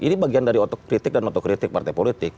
ini bagian dari otokritik dan otokritik partai politik